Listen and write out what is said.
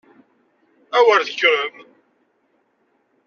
A wer tekkrem!